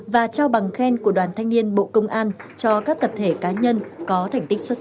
và trao bằng khen của đoàn thanh niên bộ công an cho các tập thể cá nhân có thành tích xuất sắc